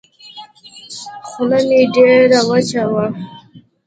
خوله مې ډېره وچه وه.